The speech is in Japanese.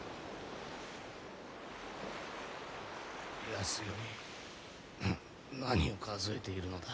康頼何を数えているのだ？